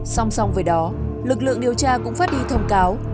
song song với đó lực lượng điều tra cũng phát đi thông cáo